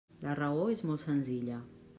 La raó és molt senzilla.